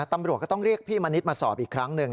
ตำรวจก็ต้องเรียกพี่มณิษฐ์มาสอบอีกครั้งหนึ่ง